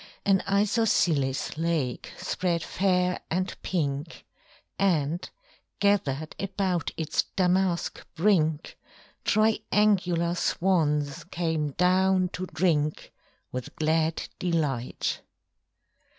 An isosceles lake spread fair and pink, And, gathered about its damask brink, Triangular swans came down to drink With glad delight.